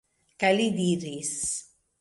Kaj li diris: